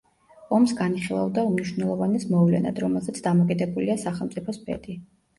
ომს განიხილავდა უმნიშვნელოვანეს მოვლენად, რომელზეც დამოკიდებულია სახელმწიფოს ბედი.